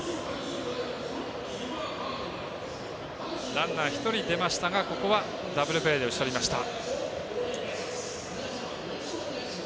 ランナー、１人出ましたがここはダブルプレーで打ち取りました。